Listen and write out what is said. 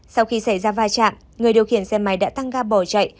sau khi xảy ra va chạm người điều khiển xe máy đã tăng ga bỏ chạy